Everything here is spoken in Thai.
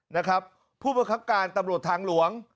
นะครับผู้ประคับการตำรวจทางหลวง